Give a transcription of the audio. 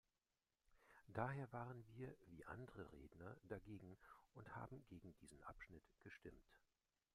Daher waren wir wie andere Redner dagegen und haben gegen diesen Abschnitt gestimmt.